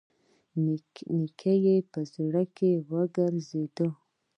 نيکه يې په زړه کې وګرځېد.